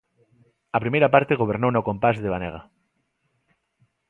A primeira parte gobernouna o compás de Banega.